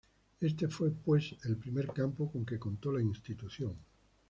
Este fue, pues, el primer campo con que contó la institución.